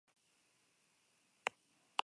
Haren kontserbazio egoera ez da oso ona.